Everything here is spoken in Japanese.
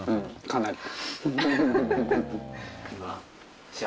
かなり。